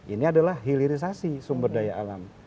ini adalah hilirisasi sumber daya alam